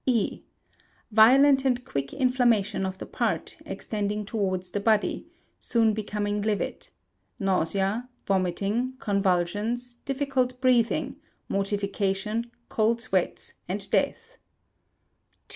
_) E. Violent and quick inflammation of the part, extending towards the body, soon becoming livid; nausea, vomiting, convulsions, difficult breathing, mortification, cold sweats, and death.